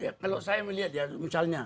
ya kalau saya melihat ya misalnya